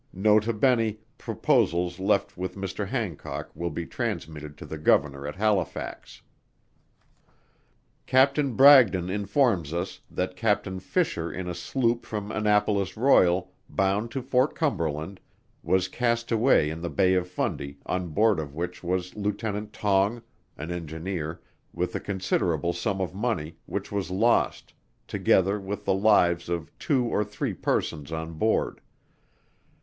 Nota Bene. Proposals left with Mr. Hancock, will be transmitted to the Governor at Halifax. "Captain Bragdon informs us, that Captain Fisher in a sloop from Annapolis Royal, bound to Fort Cumberland, was cast away in the Bay of Fundy, on board of which was Lieutenant Tonge, an Engineer, with a considerable sum of money, which was lost, together with the lives of two or three persons on board.